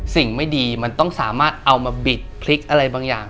สิ่งไม่ดีมันต้องสามารถเอามาบิดพลิกอะไรบางอย่าง